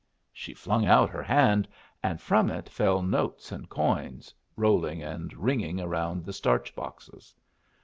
She flung out her hand, and from it fell notes and coins, rolling and ringing around the starch boxes.